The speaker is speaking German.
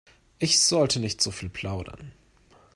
Ich sollte nicht so viel plaudern.